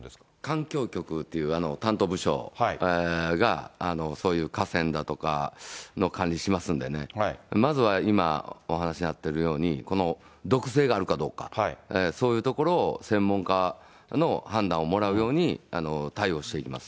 環境局という担当部署が、そういう河川だとかの管理しますんでね、まずは今お話しになってるように、この毒性があるかどうか、そういうところを専門家の判断をもらうように対応していきます。